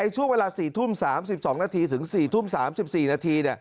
ช่วงเวลา๔ทุ่ม๓๒นาทีถึง๔ทุ่ม๓๔นาที